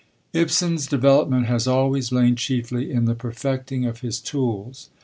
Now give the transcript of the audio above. Ibsen's development has always lain chiefly in the perfecting of his tools.